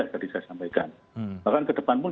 tadi saya sampaikan bahkan ke depan pun